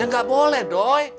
ya nggak boleh doy